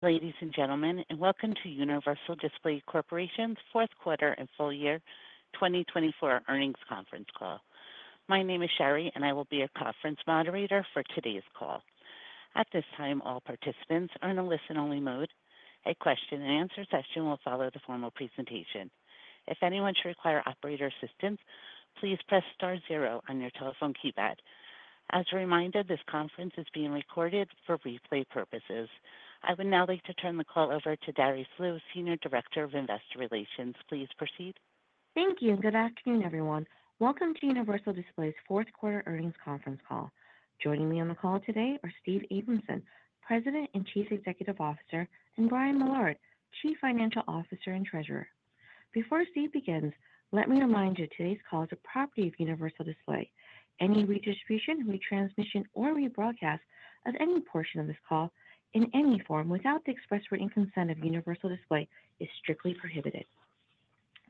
Ladies and gentlemen, and welcome to Universal Display Corporation's Fourth Quarter and Full Year 2024 Earnings Conference Call. My name is Sherry, and I will be your conference moderator for today's call. At this time, all participants are in a listen-only mode. A question-and-answer session will follow the formal presentation. If anyone should require operator assistance, please press star zero on your telephone keypad. As a reminder, this conference is being recorded for replay purposes. I would now like to turn the call over to Darice Liu, Senior Director of Investor Relations. Please proceed. Thank you, and good afternoon, everyone. Welcome to Universal Display's Fourth Quarter Earnings Conference Call. Joining me on the call today are Steve Abramson, President and Chief Executive Officer, and Brian Millard, Chief Financial Officer and Treasurer. Before Steve begins, let me remind you today's call is a property of Universal Display. Any redistribution, retransmission, or rebroadcast of any portion of this call in any form without the express written consent of Universal Display is strictly prohibited.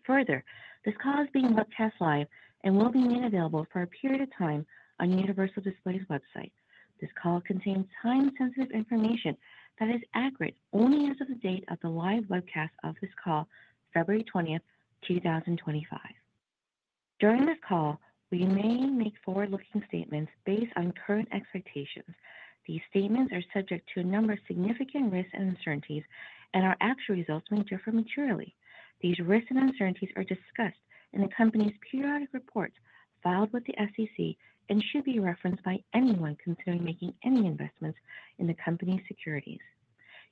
Further, this call is being broadcast live and will be made available for a period of time on Universal Display's website. This call contains time-sensitive information that is accurate only as of the date of the live webcast of this call, February 20th, 2025. During this call, we may make forward-looking statements based on current expectations. These statements are subject to a number of significant risks and uncertainties, and our actual results may differ materially. These risks and uncertainties are discussed in the company's periodic reports filed with the SEC and should be referenced by anyone considering making any investments in the company's securities.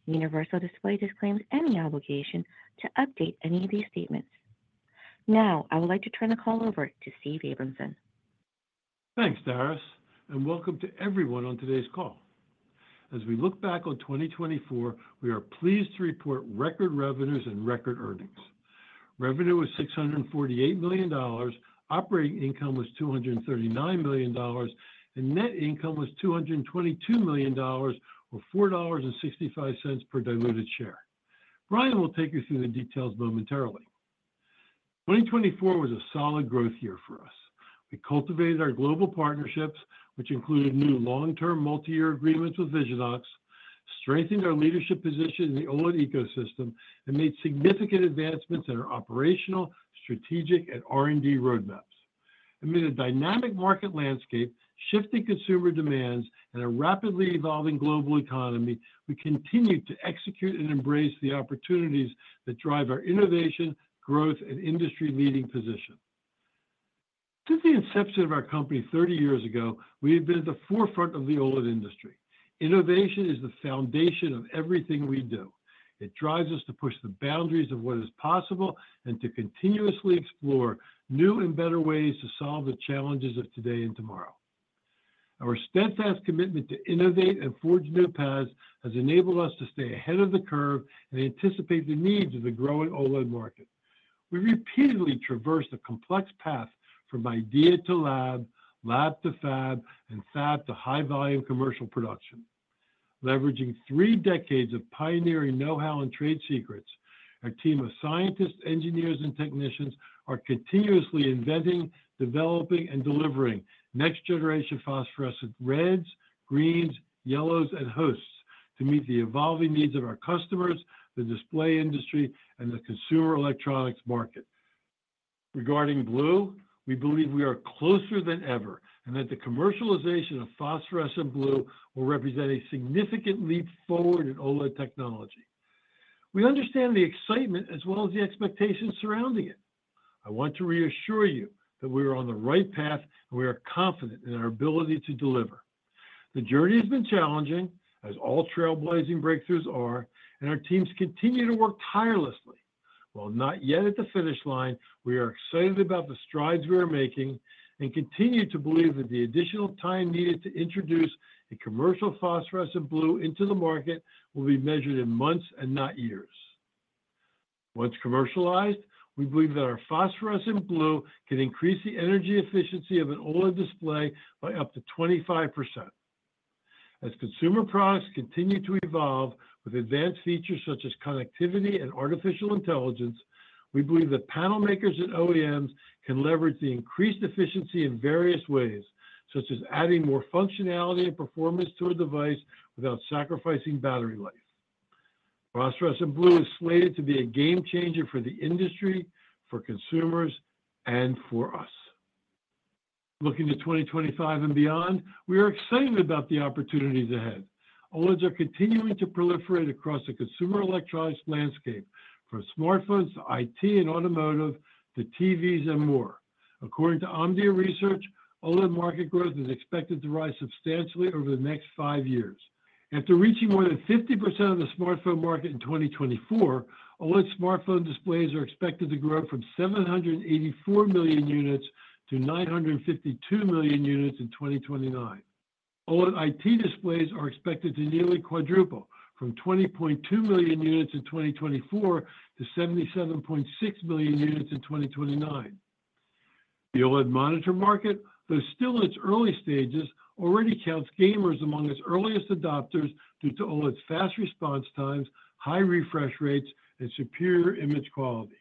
Universal Display disclaims any obligation to update any of these statements. Now, I would like to turn the call over to Steve Abramson. Thanks, Darice, and welcome to everyone on today's call. As we look back on 2024, we are pleased to report record revenues and record earnings. Revenue was $648 million, operating income was $239 million, and net income was $222 million, or $4.65 per diluted share. Brian will take you through the details momentarily. 2024 was a solid growth year for us. We cultivated our global partnerships, which included new long-term multi-year agreements with Visionox, strengthened our leadership position in the OLED ecosystem, and made significant advancements in our operational, strategic, and R&D roadmaps. Amid a dynamic market landscape, shifting consumer demands, and a rapidly evolving global economy, we continue to execute and embrace the opportunities that drive our innovation, growth, and industry-leading position. Since the inception of our company 30 years ago, we have been at the forefront of the OLED industry. Innovation is the foundation of everything we do. It drives us to push the boundaries of what is possible and to continuously explore new and better ways to solve the challenges of today and tomorrow. Our steadfast commitment to innovate and forge new paths has enabled us to stay ahead of the curve and anticipate the needs of the growing OLED market. We repeatedly traversed a complex path from idea to lab, lab to fab, and fab to high-volume commercial production. Leveraging three decades of pioneering know-how and trade secrets, our team of scientists, engineers, and technicians are continuously inventing, developing, and delivering next-generation phosphorescent reds, greens, yellows, and hosts to meet the evolving needs of our customers, the display industry, and the consumer electronics market. Regarding blue, we believe we are closer than ever and that the commercialization of phosphorescent blue will represent a significant leap forward in OLED technology. We understand the excitement as well as the expectations surrounding it. I want to reassure you that we are on the right path and we are confident in our ability to deliver. The journey has been challenging, as all trailblazing breakthroughs are, and our teams continue to work tirelessly. While not yet at the finish line, we are excited about the strides we are making and continue to believe that the additional time needed to introduce a commercial phosphorescent blue into the market will be measured in months and not years. Once commercialized, we believe that our phosphorescent blue can increase the energy efficiency of an OLED display by up to 25%. As consumer products continue to evolve with advanced features such as connectivity and artificial intelligence, we believe that panel makers and OEMs can leverage the increased efficiency in various ways, such as adding more functionality and performance to a device without sacrificing battery life. Phosphorescent blue is slated to be a game changer for the industry, for consumers, and for us. Looking to 2025 and beyond, we are excited about the opportunities ahead. OLEDs are continuing to proliferate across the consumer electronics landscape, from smartphones to IT and automotive to TVs and more. According to Omdia Research, OLED market growth is expected to rise substantially over the next five years. After reaching more than 50% of the smartphone market in 2024, OLED smartphone displays are expected to grow from 784 million units to 952 million units in 2029. OLED IT displays are expected to nearly quadruple from 20.2 million units in 2024 to 77.6 million units in 2029. The OLED monitor market, though still in its early stages, already counts gamers among its earliest adopters due to OLED's fast response times, high refresh rates, and superior image quality.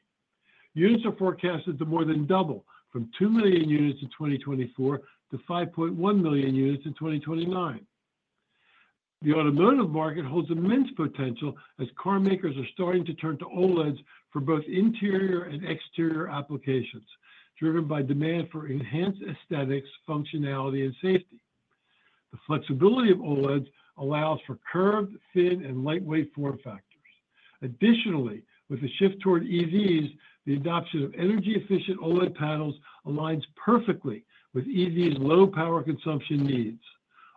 Units are forecasted to more than double from two million units in 2024 to 5.1 million units in 2029. The automotive market holds immense potential as car makers are starting to turn to OLEDs for both interior and exterior applications, driven by demand for enhanced aesthetics, functionality, and safety. The flexibility of OLEDs allows for curved, thin, and lightweight form factors. Additionally, with the shift toward EVs, the adoption of energy-efficient OLED panels aligns perfectly with EVs' low power consumption needs.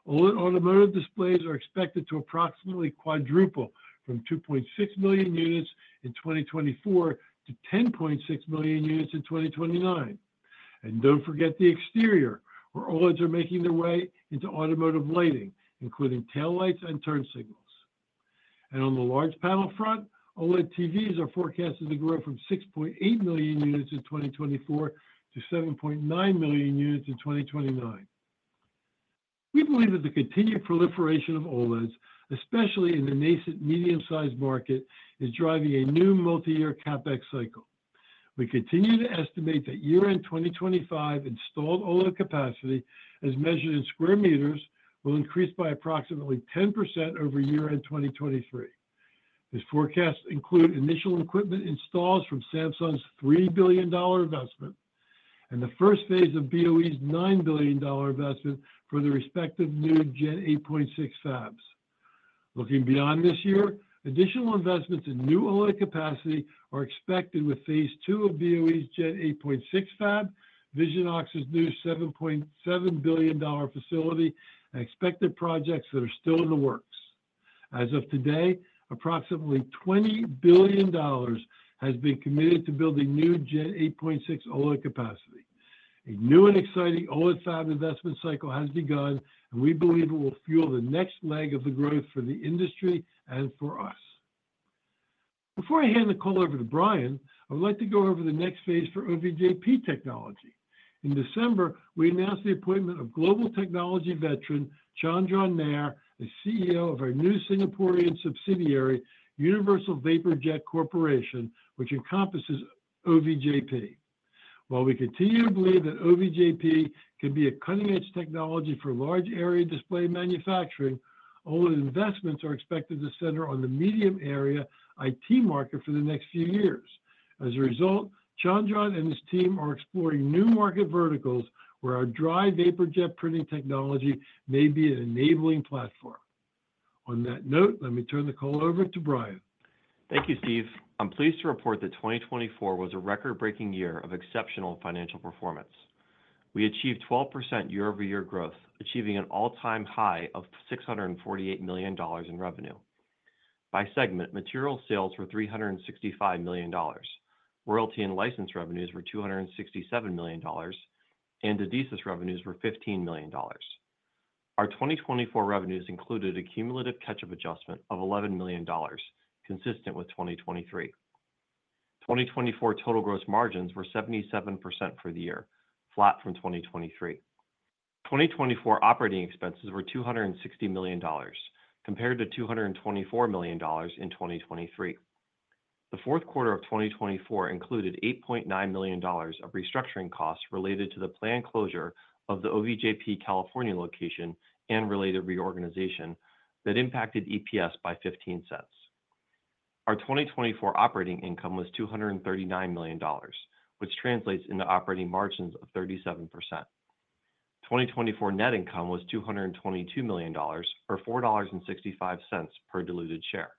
OLED automotive displays are expected to approximately quadruple from 2.6 million units in 2024 to 10.6 million units in 2029. Don't forget the exterior, where OLEDs are making their way into automotive lighting, including tail lights and turn signals. On the large panel front, OLED TVs are forecasted to grow from 6.8 million units in 2024 to 7.9 million units in 2029. We believe that the continued proliferation of OLEDs, especially in the nascent medium-sized market, is driving a new multi-year CapEx cycle. We continue to estimate that year-end 2025 installed OLED capacity, as measured in square meters, will increase by approximately 10% over year-end 2023. This forecast includes initial equipment installs from Samsung's $3 billion investment and the first phase of BOE's $9 billion investment for the respective new Gen 8.6 fabs. Looking beyond this year, additional investments in new OLED capacity are expected with phase two of BOE's Gen 8.6 fab, Visionox's new $7.7 billion facility, and expected projects that are still in the works. As of today, approximately $20 billion has been committed to building new Gen 8.6 OLED capacity. A new and exciting OLED fab investment cycle has begun, and we believe it will fuel the next leg of the growth for the industry and for us. Before I hand the call over to Brian, I would like to go over the next phase for OVJP technology. In December, we announced the appointment of global technology veteran Chandra Nair, the CEO of our new Singaporean subsidiary, Universal Vapor Jet Corporation, which encompasses OVJP. While we continue to believe that OVJP can be a cutting-edge technology for large area display manufacturing, OLED investments are expected to center on the medium area IT market for the next few years. As a result, Chandra and his team are exploring new market verticals where our dry vapor jet printing technology may be an enabling platform. On that note, let me turn the call over to Brian. Thank you, Steve. I'm pleased to report that 2024 was a record-breaking year of exceptional financial performance. We achieved 12% year-over-year growth, achieving an all-time high of $648 million in revenue. By segment, material sales were $365 million, royalty and license revenues were $267 million, and adhesive revenues were $15 million. Our 2024 revenues included a cumulative catch-up adjustment of $11 million, consistent with 2023. 2024 total gross margins were 77% for the year, flat from 2023. 2024 operating expenses were $260 million, compared to $224 million in 2023. The fourth quarter of 2024 included $8.9 million of restructuring costs related to the planned closure of the OVJP California location and related reorganization that impacted EPS by $0.15. Our 2024 operating income was $239 million, which translates into operating margins of 37%. 2024 net income was $222 million, or $4.65 per diluted share.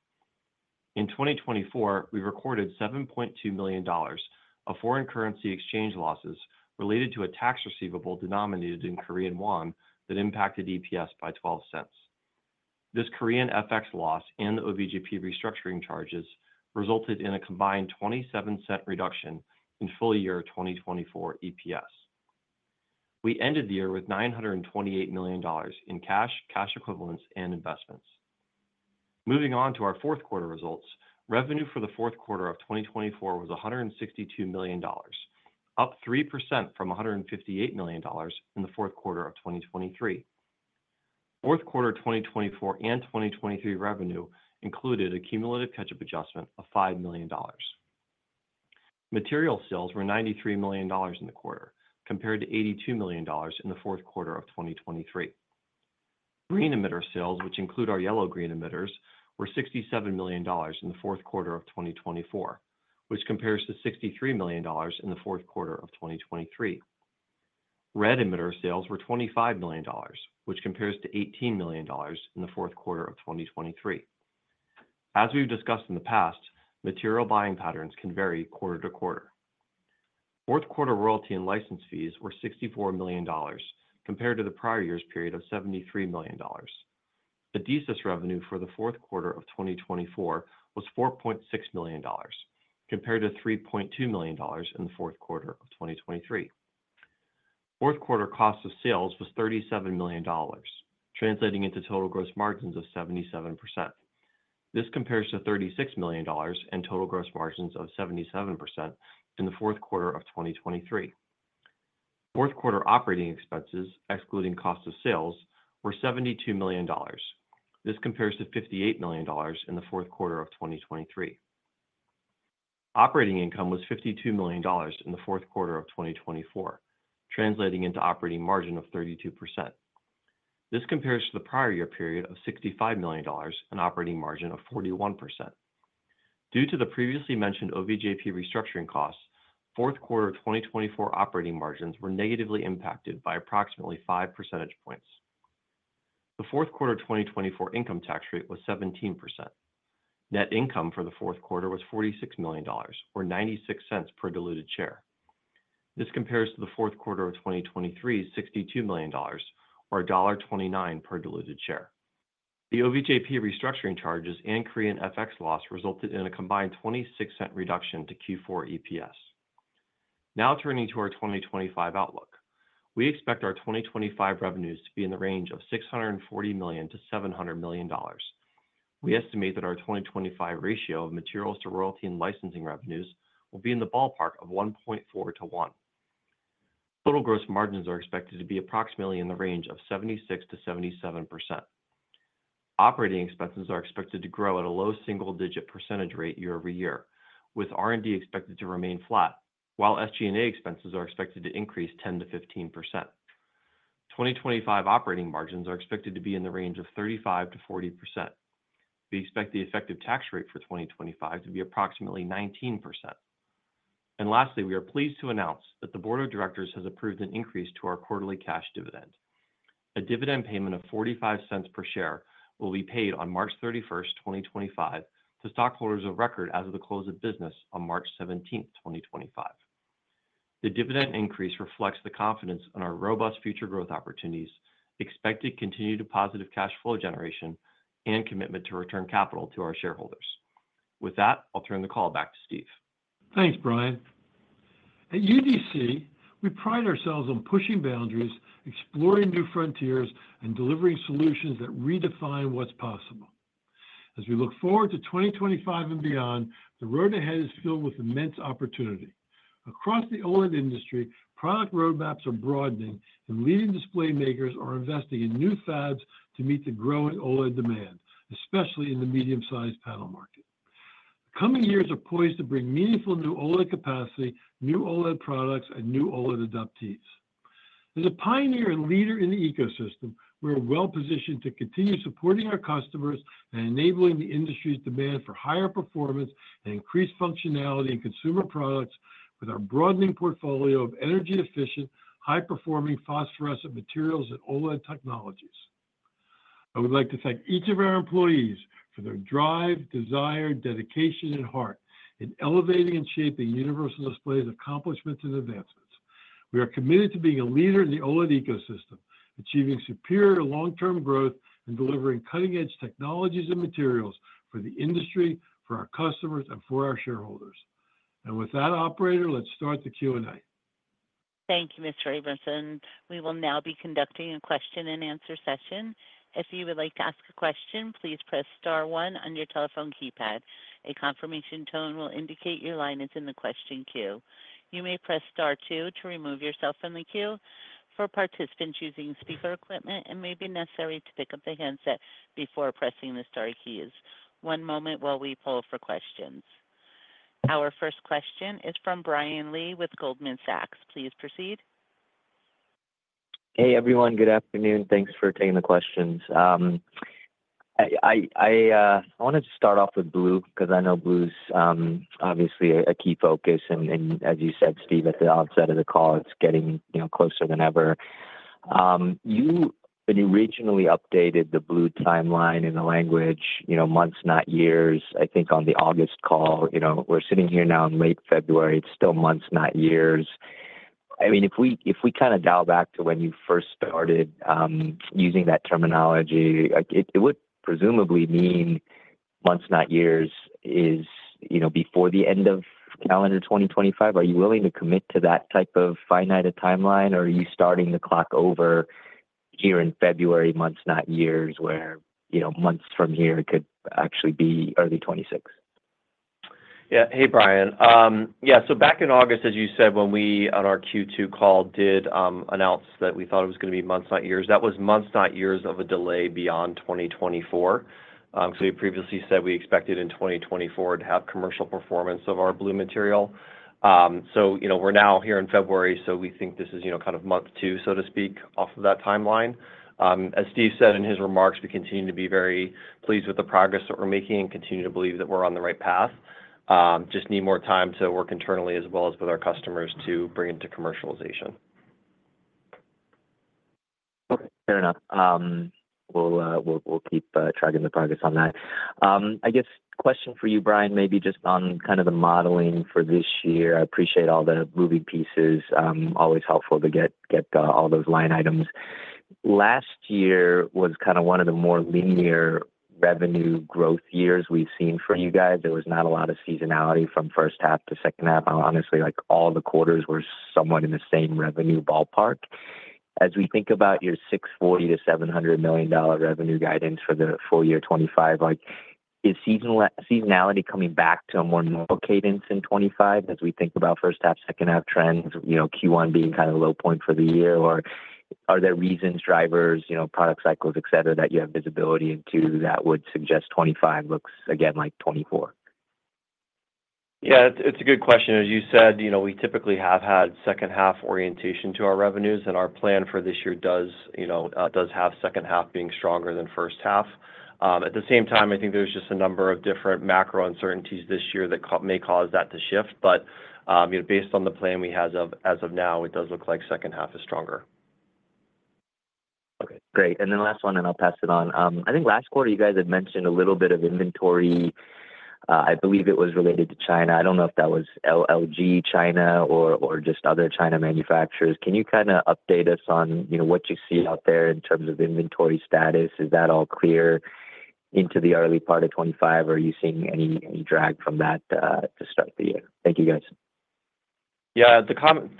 In 2024, we recorded $7.2 million of foreign currency exchange losses related to a tax receivable denominated in Korean won that impacted EPS by $0.12. This Korean FX loss and the OVJP restructuring charges resulted in a combined $0.27 reduction in full year 2024 EPS. We ended the year with $928 million in cash, cash equivalents, and investments. Moving on to our fourth quarter results, revenue for the fourth quarter of 2024 was $162 million, up 3% from $158 million in the fourth quarter of 2023. Fourth quarter 2024 and 2023 revenue included a cumulative catch-up adjustment of $5 million. Material sales were $93 million in the quarter, compared to $82 million in the fourth quarter of 2023. Green emitter sales, which include our yellow-green emitters, were $67 million in the fourth quarter of 2024, which compares to $63 million in the fourth quarter of 2023. Red emitter sales were $25 million, which compares to $18 million in the fourth quarter of 2023. As we've discussed in the past, material buying patterns can vary quarter to quarter. Fourth quarter royalty and license fees were $64 million, compared to the prior year's period of $73 million. Adhesive revenue for the fourth quarter of 2024 was $4.6 million, compared to $3.2 million in the fourth quarter of 2023. Fourth quarter cost of sales was $37 million, translating into total gross margins of 77%. This compares to $36 million and total gross margins of 77% in the fourth quarter of 2023. Fourth quarter operating expenses, excluding cost of sales, were $72 million. This compares to $58 million in the fourth quarter of 2023. Operating income was $52 million in the fourth quarter of 2024, translating into operating margin of 32%. This compares to the prior year period of $65 million and operating margin of 41%. Due to the previously mentioned OVJP restructuring costs, fourth quarter 2024 operating margins were negatively impacted by approximately 5 percentage points. The fourth quarter 2024 income tax rate was 17%. Net income for the fourth quarter was $46 million, or $0.96 per diluted share. This compares to the fourth quarter of 2023's $62 million, or $1.29 per diluted share. The OVJP restructuring charges and Korean FX loss resulted in a combined $0.26 reduction to Q4 EPS. Now turning to our 2025 outlook, we expect our 2025 revenues to be in the range of $640 million-$700 million. We estimate that our 2025 ratio of materials to royalty and licensing revenues will be in the ballpark of 1.4-1. Total gross margins are expected to be approximately in the range of 76%-77%. Operating expenses are expected to grow at a low single-digit percentage rate year-over-year, with R&D expected to remain flat, while SG&A expenses are expected to increase 10%-15%. 2025 operating margins are expected to be in the range of 35%-40%. We expect the effective tax rate for 2025 to be approximately 19%. And lastly, we are pleased to announce that the board of directors has approved an increase to our quarterly cash dividend. A dividend payment of $0.45 per share will be paid on March 31, 2025, to stockholders of record as of the close of business on March 17, 2025. The dividend increase reflects the confidence in our robust future growth opportunities, expected continued positive cash flow generation, and commitment to return capital to our shareholders. With that, I'll turn the call back to Steve. Thanks, Brian. At UDC, we pride ourselves on pushing boundaries, exploring new frontiers, and delivering solutions that redefine what's possible. As we look forward to 2025 and beyond, the road ahead is filled with immense opportunity. Across the OLED industry, product roadmaps are broadening, and leading display makers are investing in new fabs to meet the growing OLED demand, especially in the medium-sized panel market. The coming years are poised to bring meaningful new OLED capacity, new OLED products, and new OLED adoptees. As a pioneer and leader in the ecosystem, we are well-positioned to continue supporting our customers and enabling the industry's demand for higher performance and increased functionality in consumer products with our broadening portfolio of energy-efficient, high-performing phosphorescent materials and OLED technologies. I would like to thank each of our employees for their drive, desire, dedication, and heart in elevating and shaping Universal Display's accomplishments and advancements. We are committed to being a leader in the OLED ecosystem, achieving superior long-term growth, and delivering cutting-edge technologies and materials for the industry, for our customers, and for our shareholders, and with that, operator, let's start the Q&A. Thank you, Mr. Abramson. We will now be conducting a question-and-answer session. If you would like to ask a question, please press star one on your telephone keypad. A confirmation tone will indicate your line is in the question queue. You may press star two to remove yourself from the queue. For participants using speaker equipment, it may be necessary to pick up the handset before pressing the star keys. One moment while we pull for questions. Our first question is from Brian Lee with Goldman Sachs. Please proceed. Hey, everyone. Good afternoon. Thanks for taking the questions. I wanted to start off with blue because I know blue's obviously a key focus. And as you said, Steve, at the outset of the call, it's getting closer than ever. You recently updated the blue timeline in the language, months, not years, I think on the August call. We're sitting here now in late February. It's still months, not years. I mean, if we kind of dial back to when you first started using that terminology, it would presumably mean months, not years is before the end of calendar 2025. Are you willing to commit to that type of finite timeline, or are you starting the clock over here in February, months, not years, where months from here could actually be early 2026? Yeah. Hey, Brian. Yeah. So, back in August, as you said, when we, on our Q2 call, did announce that we thought it was going to be months, not years, that was months, not years of a delay beyond 2024. So, we previously said we expected in 2024 to have commercial performance of our blue material. So, we're now here in February, so we think this is kind of month two, so to speak, off of that timeline. As Steve said in his remarks, we continue to be very pleased with the progress that we're making and continue to believe that we're on the right path. Just need more time to work internally as well as with our customers to bring into commercialization. Okay. Fair enough. We'll keep tracking the progress on that. I guess question for you, Brian, maybe just on kind of the modeling for this year. I appreciate all the moving pieces. Always helpful to get all those line items. Last year was kind of one of the more linear revenue growth years we've seen for you guys. There was not a lot of seasonality from first half to second half. Honestly, all the quarters were somewhat in the same revenue ballpark. As we think about your $640 million-$700 million revenue guidance for the full year 2025, is seasonality coming back to a more normal cadence in 2025 as we think about first half, second half trends, Q1 being kind of a low point for the year? Or are there reasons, drivers, product cycles, etc., that you have visibility into that would suggest 2025 looks, again, like 2024? Yeah. It's a good question. As you said, we typically have had second half orientation to our revenues, and our plan for this year does have second half being stronger than first half. At the same time, I think there's just a number of different macro uncertainties this year that may cause that to shift. But based on the plan we have as of now, it does look like second half is stronger. Okay. Great. And then last one, and I'll pass it on. I think last quarter, you guys had mentioned a little bit of inventory. I believe it was related to China. I don't know if that was LG China or just other China manufacturers. Can you kind of update us on what you see out there in terms of inventory status? Is that all clear into the early part of 2025? Are you seeing any drag from that to start the year? Thank you, guys. Yeah. The comment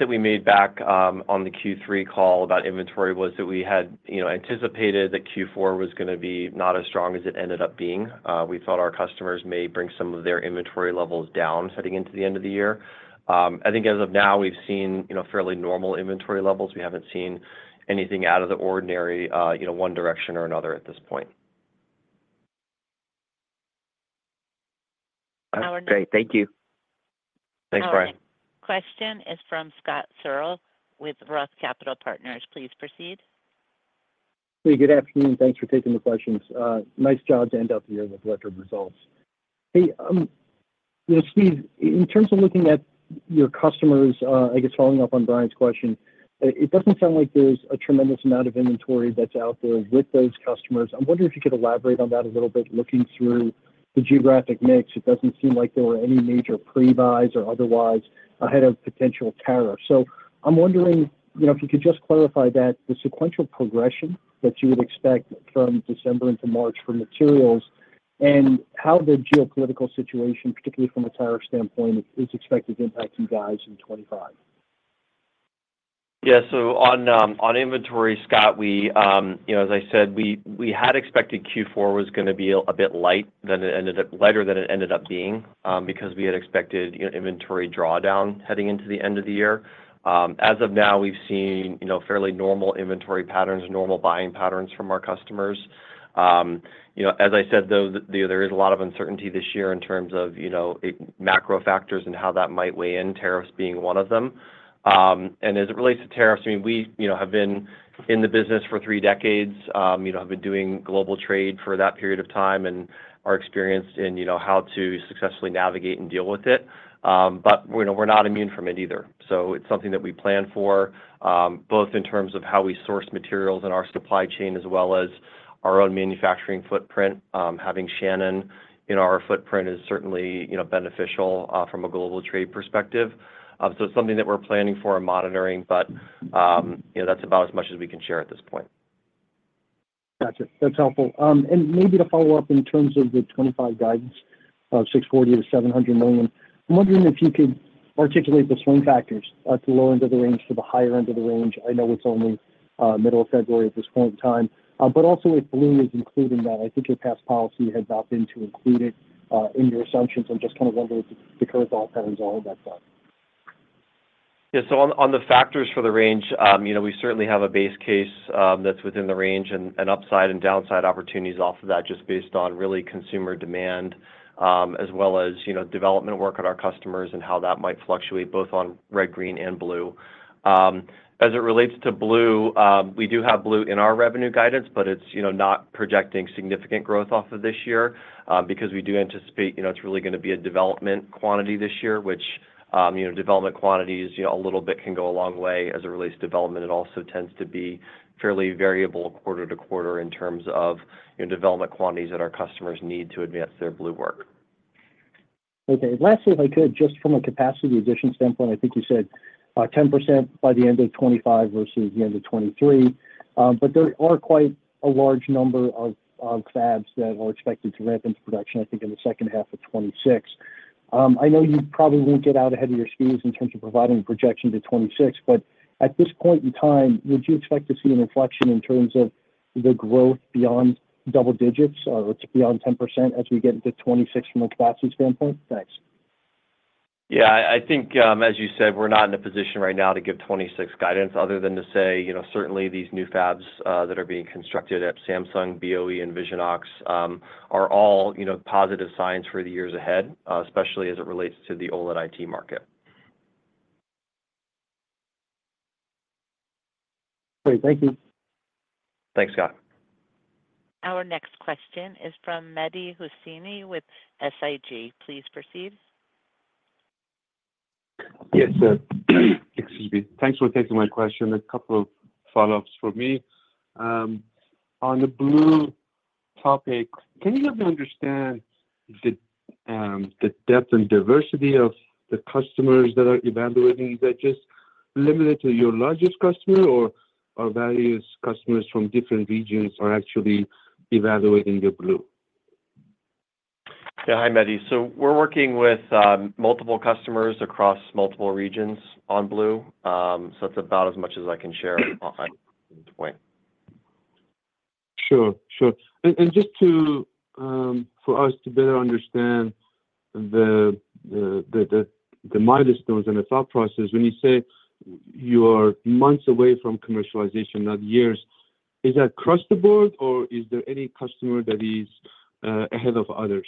that we made back on the Q3 call about inventory was that we had anticipated that Q4 was going to be not as strong as it ended up being. We thought our customers may bring some of their inventory levels down heading into the end of the year. I think as of now, we've seen fairly normal inventory levels. We haven't seen anything out of the ordinary one direction or another at this point. All right. Great. Thank you. Thanks, Brian. Question is from Scott Searle with Roth Capital Partners. Please proceed. Hey, good afternoon. Thanks for taking the questions. Nice job to end up here with excellent results. Hey, Steve, in terms of looking at your customers, I guess following up on Brian's question, it doesn't sound like there's a tremendous amount of inventory that's out there with those customers. I'm wondering if you could elaborate on that a little bit. Looking through the geographic mix, it doesn't seem like there were any major prebuys or otherwise ahead of potential tariffs. So I'm wondering if you could just clarify that the sequential progression that you would expect from December into March for materials and how the geopolitical situation, particularly from a tariff standpoint, is expected to impact you guys in 2025. Yeah. So on inventory, Scott, as I said, we had expected Q4 was going to be a bit lighter than it ended up being because we had expected inventory drawdown heading into the end of the year. As of now, we've seen fairly normal inventory patterns, normal buying patterns from our customers. As I said, though, there is a lot of uncertainty this year in terms of macro factors and how that might weigh in, tariffs being one of them. And as it relates to tariffs, I mean, we have been in the business for three decades, have been doing global trade for that period of time, and are experienced in how to successfully navigate and deal with it. But we're not immune from it either. So it's something that we plan for, both in terms of how we source materials in our supply chain as well as our own manufacturing footprint. Having Shannon in our footprint is certainly beneficial from a global trade perspective. So it's something that we're planning for and monitoring, but that's about as much as we can share at this point. Gotcha. That's helpful. And maybe to follow up in terms of the 2025 guidance of $640 million-$700 million, I'm wondering if you could articulate the swing factors at the low end of the range to the higher end of the range? I know it's only middle of February at this point in time. But also if blue is including that, I think your past policy had not been to include it in your assumptions. I'm just kind of wondering if the blue patent is all of that done? Yeah. So on the factors for the range, we certainly have a base case that's within the range and upside and downside opportunities off of that just based on really consumer demand as well as development work on our customers and how that might fluctuate both on red, green, and blue. As it relates to blue, we do have blue in our revenue guidance, but it's not projecting significant growth off of this year because we do anticipate it's really going to be a development quantity this year, which development quantities a little bit can go a long way as it relates to development. It also tends to be fairly variable quarter to quarter in terms of development quantities that our customers need to advance their blue work. Okay. Lastly, if I could, just from a capacity addition standpoint, I think you said 10% by the end of 2025 versus the end of 2023. But there are quite a large number of fabs that are expected to ramp into production, I think, in the second half of 2026. I know you probably won't get out ahead of your skis in terms of providing a projection to 2026, but at this point in time, would you expect to see an inflection in terms of the growth beyond double digits or beyond 10% as we get into 2026 from a capacity standpoint? Thanks. Yeah. I think, as you said, we're not in a position right now to give 2026 guidance other than to say certainly these new fabs that are being constructed at Samsung, BOE, and Visionox are all positive signs for the years ahead, especially as it relates to the OLED IT market. Great. Thank you. Thanks, Scott. Our next question is from Mehdi Hosseini with SIG. Please proceed. Yes, sir. Excuse me. Thanks for taking my question. A couple of follow-ups for me. On the blue topic, can you help me understand the depth and diversity of the customers that are evaluating that just limited to your largest customer or various customers from different regions are actually evaluating your blue? Yeah. Hi, Mehdi. So we're working with multiple customers across multiple regions on blue. So that's about as much as I can share at this point. Sure. Sure. And just for us to better understand the milestones and the thought process, when you say you are months away from commercialization, not years, is that across the board or is there any customer that is ahead of others?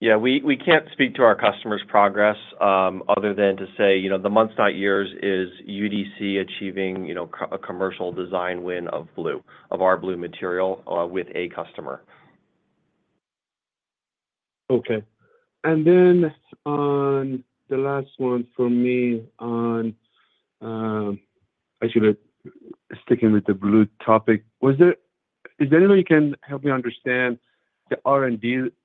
Yeah. We can't speak to our customer's progress other than to say the months, not years, is UDC achieving a commercial design win of blue, of our blue material with a customer. Okay. And then on the last one for me, actually sticking with the blue topic, is there any way you can help me understand the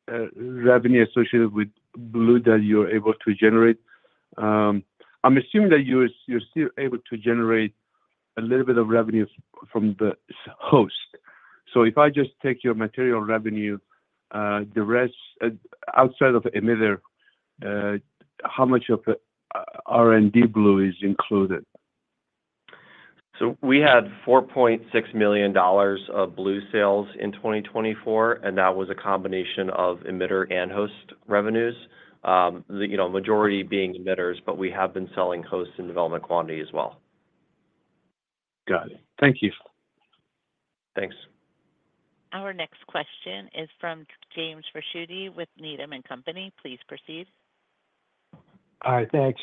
R&D revenue associated with blue that you're able to generate? I'm assuming that you're still able to generate a little bit of revenue from the host. So if I just take your material revenue, the rest outside of Emitter, how much of R&D blue is included? So we had $4.6 million of blue sales in 2024, and that was a combination of emitter and host revenues, the majority being emitters, but we have been selling hosts and development quantity as well. Got it. Thank you. Thanks. Our next question is from James Ricchiuti with Needham & Company. Please proceed. All right. Thanks.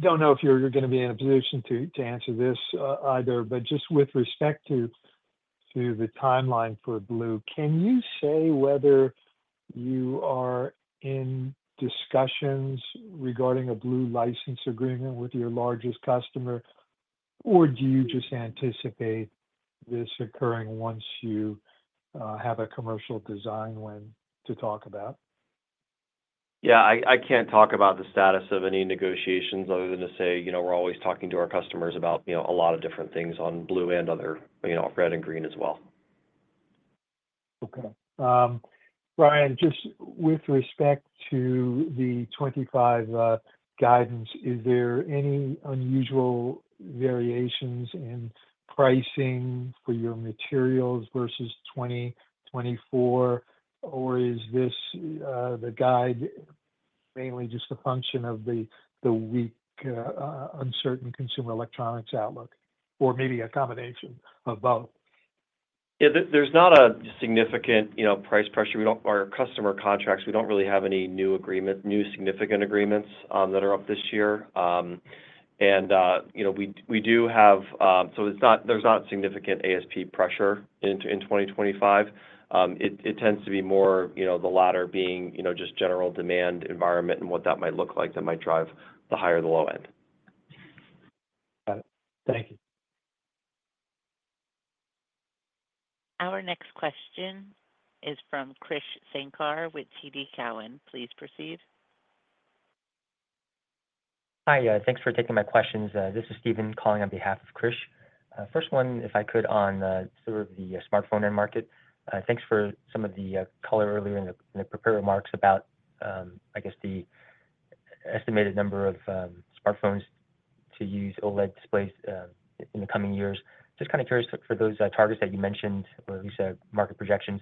Don't know if you're going to be in a position to answer this either, but just with respect to the timeline for blue, can you say whether you are in discussions regarding a blue license agreement with your largest customer, or do you just anticipate this occurring once you have a commercial design win to talk about? Yeah. I can't talk about the status of any negotiations other than to say we're always talking to our customers about a lot of different things on blue and other red and green as well. Okay. Brian, just with respect to the 2025 guidance, is there any unusual variations in pricing for your materials versus 2024, or is this the guide mainly just a function of the weak uncertain consumer electronics outlook, or maybe a combination of both? Yeah. There's not a significant price pressure. Our customer contracts, we don't really have any new significant agreements that are up this year. And we do have so there's not significant ASP pressure in 2025. It tends to be more the latter being just general demand environment and what that might look like that might drive the higher the low end. Got it. Thank you. Our next question is from Krish Sankar with TD Cowen. Please proceed. Hi, yeah. Thanks for taking my questions. This is Steven calling on behalf of Krish. First one, if I could, on sort of the smartphone end market. Thanks for some of the color earlier in the prepared remarks about, I guess, the estimated number of smartphones to use OLED displays in the coming years. Just kind of curious for those targets that you mentioned, or at least market projections.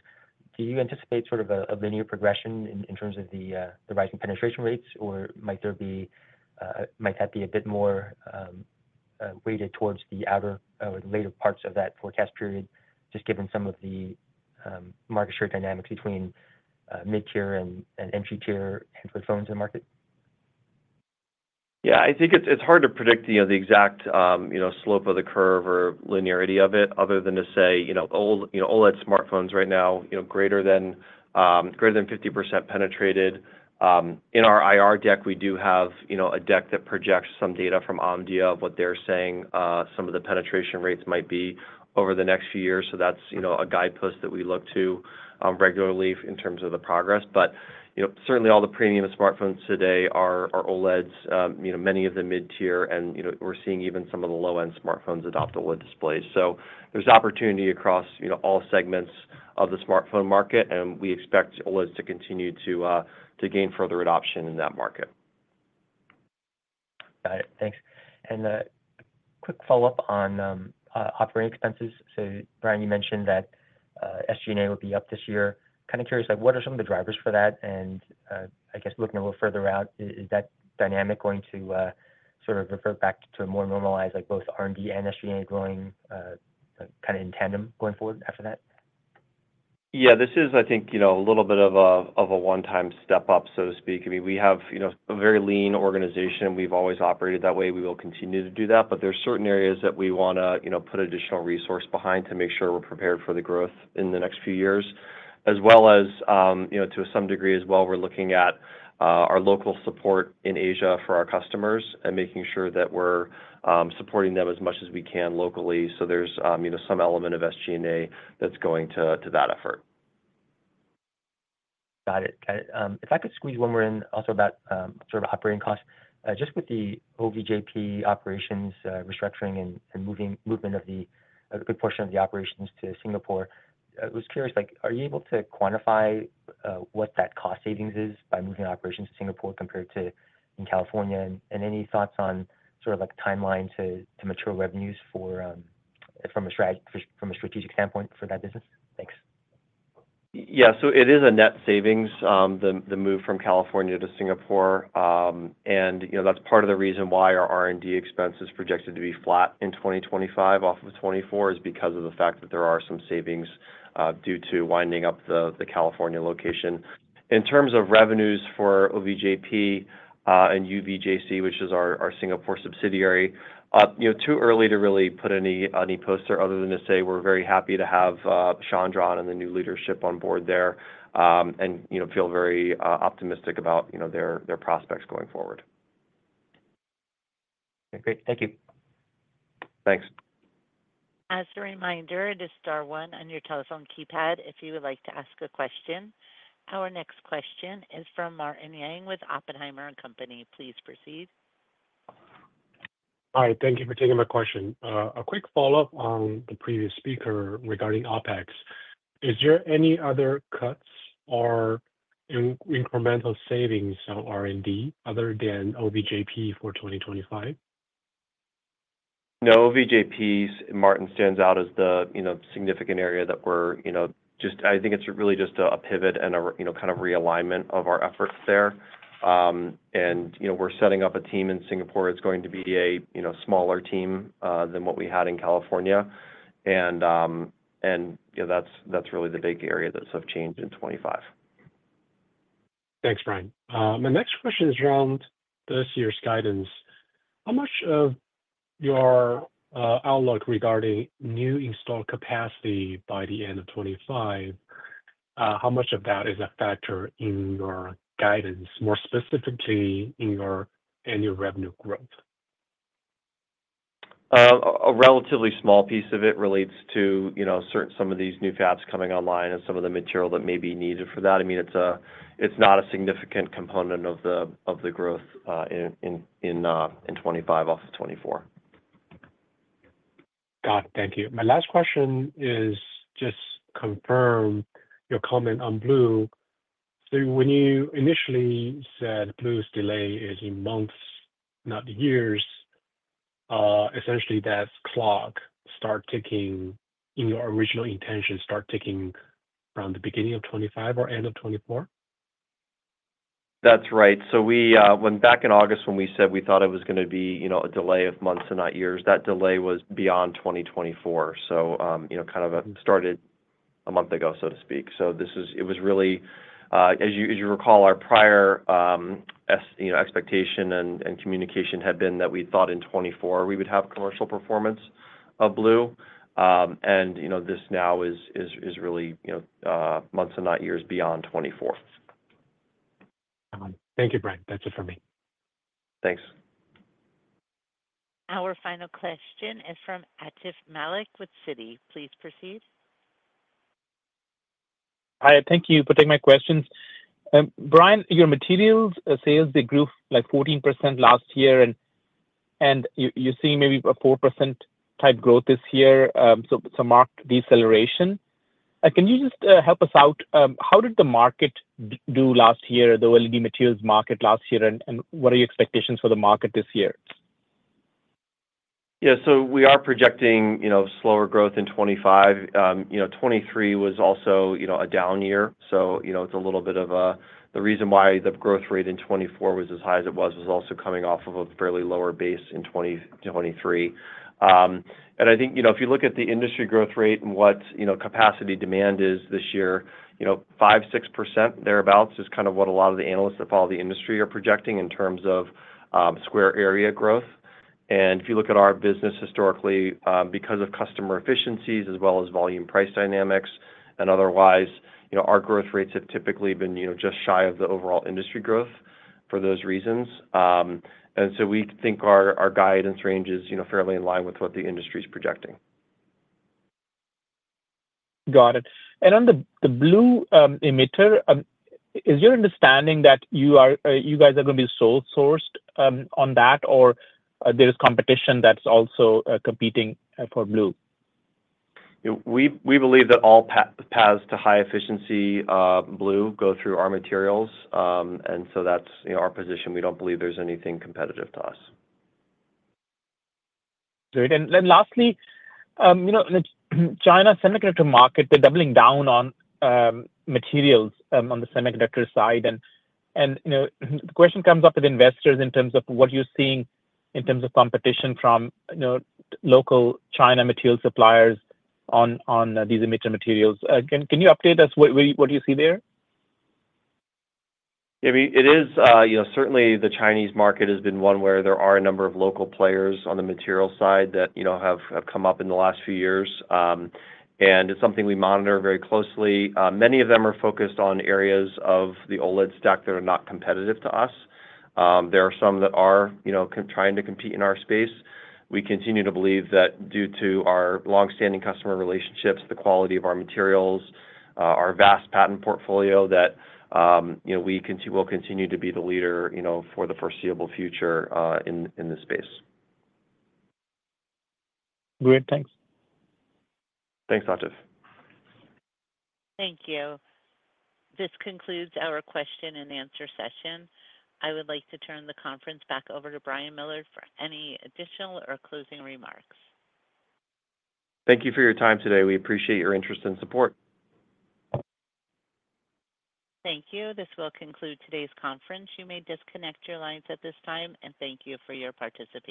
Do you anticipate sort of a linear progression in terms of the rising penetration rates, or might that be a bit more weighted towards the outer or the later parts of that forecast period, just given some of the market share dynamics between mid-tier and entry-tier Android phones in the market? Yeah. I think it's hard to predict the exact slope of the curve or linearity of it other than to say OLED smartphones right now, greater than 50% penetrated. In our IR deck, we do have a deck that projects some data from Omdia of what they're saying some of the penetration rates might be over the next few years. So that's a guidepost that we look to regularly in terms of the progress. But certainly, all the premium smartphones today are OLEDs, many of them mid-tier, and we're seeing even some of the low-end smartphones adopt OLED displays. So there's opportunity across all segments of the smartphone market, and we expect OLEDs to continue to gain further adoption in that market. Got it. Thanks. And a quick follow-up on operating expenses. So Brian, you mentioned that SG&A will be up this year. Kind of curious, what are some of the drivers for that? And I guess looking a little further out, is that dynamic going to sort of revert back to a more normalized both R&D and SG&A growing kind of in tandem going forward after that? Yeah. This is, I think, a little bit of a one-time step up, so to speak. I mean, we have a very lean organization. We've always operated that way. We will continue to do that. But there are certain areas that we want to put additional resource behind to make sure we're prepared for the growth in the next few years, as well as to some degree as well, we're looking at our local support in Asia for our customers and making sure that we're supporting them as much as we can locally. So there's some element of SG&A that's going to that effort. Got it. Got it. If I could squeeze one more in also about sort of operating costs, just with the OVJP operations restructuring and movement of a good portion of the operations to Singapore, I was curious, are you able to quantify what that cost savings is by moving operations to Singapore compared to in California? And any thoughts on sort of timeline to mature revenues from a strategic standpoint for that business? Thanks. Yeah. So it is a net savings, the move from California to Singapore. And that's part of the reason why our R&D expense is projected to be flat in 2025 off of 2024 is because of the fact that there are some savings due to winding up the California location. In terms of revenues for OVJP and UVJC, which is our Singapore subsidiary, too early to really put any posture other than to say we're very happy to have Chandra and the new leadership on board there and feel very optimistic about their prospects going forward. Okay. Great. Thank you. Thanks. As a reminder, this is star one on your telephone keypad if you would like to ask a question. Our next question is from Martin Yang with Oppenheimer & Company. Please proceed. All right. Thank you for taking my question. A quick follow-up on the previous speaker regarding OpEx. Is there any other cuts or incremental savings on R&D other than OVJP for 2025? No. OVJP's, Martin, stands out as the significant area that we're just I think it's really just a pivot and a kind of realignment of our efforts there. And we're setting up a team in Singapore. It's going to be a smaller team than what we had in California. And that's really the big area that's of change in 2025. Thanks, Brian. My next question is around this year's guidance. How much of your outlook regarding new install capacity by the end of 2025, how much of that is a factor in your guidance, more specifically in your annual revenue growth? A relatively small piece of it relates to some of these new fabs coming online and some of the material that may be needed for that. I mean, it's not a significant component of the growth in 2025 off of 2024. Got it. Thank you. My last question is just to confirm your comment on blue. So when you initially said blue's delay is in months, not years, essentially that's clock start ticking in your original intention around the beginning of 2025 or end of 2024? That's right, so back in August when we said we thought it was going to be a delay of months and not years, that delay was beyond 2024, so kind of started a month ago, so to speak, so it was really, as you recall, our prior expectation and communication had been that we thought in 2024 we would have commercial performance of blue, and this now is really months and not years beyond 2024. Thank you, Brian. That's it for me. Thanks. Our final question is from Atif Malik with Citi. Please proceed. Hi. Thank you for taking my questions. Brian, your materials sales did grow like 14% last year, and you're seeing maybe a 4% type growth this year, so marked deceleration. Can you just help us out? How did the market do last year, the OLED materials market last year, and what are your expectations for the market this year? Yeah. So we are projecting slower growth in 2025. 2023 was also a down year. So it's a little bit of the reason why the growth rate in 2024 was as high as it was, also coming off of a fairly lower base in 2023. And I think if you look at the industry growth rate and what capacity demand is this year, 5%-6% thereabouts is kind of what a lot of the analysts that follow the industry are projecting in terms of square area growth. And if you look at our business historically, because of customer efficiencies as well as volume price dynamics and otherwise, our growth rates have typically been just shy of the overall industry growth for those reasons. And so we think our guidance range is fairly in line with what the industry is projecting. Got it. And on the blue emitter, is your understanding that you guys are going to be sole-sourced on that, or there is competition that's also competing for blue? We believe that all paths to high-efficiency blue go through our materials. And so that's our position. We don't believe there's anything competitive to us. Great. And then lastly, China semiconductor market, they're doubling down on materials on the semiconductor side. And the question comes up with investors in terms of what you're seeing in terms of competition from local China material suppliers on these emitter materials. Can you update us what you see there? Yeah. I mean, it is certainly the Chinese market has been one where there are a number of local players on the materials side that have come up in the last few years. And it's something we monitor very closely. Many of them are focused on areas of the OLED stack that are not competitive to us. There are some that are trying to compete in our space. We continue to believe that due to our long-standing customer relationships, the quality of our materials, our vast patent portfolio, that we will continue to be the leader for the foreseeable future in this space. Great. Thanks. Thanks, Atif. Thank you. This concludes our question and answer session. I would like to turn the conference back over to Brian Millard for any additional or closing remarks. Thank you for your time today. We appreciate your interest and support. Thank you. This will conclude today's conference. You may disconnect your lines at this time, and thank you for your participation.